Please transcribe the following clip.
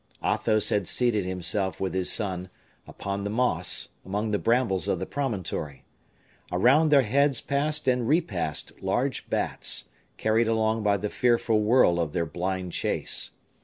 Athos had seated himself with his son, upon the moss, among the brambles of the promontory. Around their heads passed and repassed large bats, carried along by the fearful whirl of their blind chase.